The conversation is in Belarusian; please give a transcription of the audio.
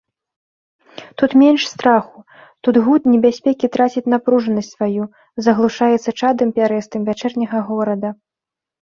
Тут менш страху, тут гуд небяспекі траціць напружанасць сваю, заглушаецца чадам пярэстым вячэрняга горада.